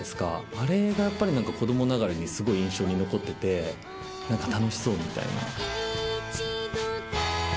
あれがやっぱり子供ながらにすごい印象に残ってて何か楽しそうみたいな。